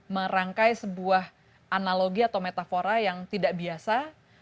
merangkai sebuah analogi atau metafora yang tidak biasa